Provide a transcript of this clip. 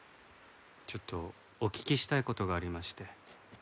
ちょっとお聞きしたい事がありまして。